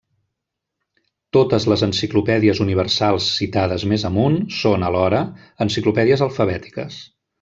Totes les enciclopèdies universals citades més amunt són, alhora, enciclopèdies alfabètiques.